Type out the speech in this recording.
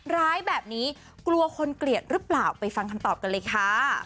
ร้ายแบบนี้กลัวคนเกลียดหรือเปล่าไปฟังคำตอบกันเลยค่ะ